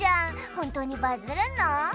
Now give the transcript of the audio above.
本当にバズるの？